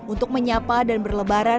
untuk menyapa dan berlebaran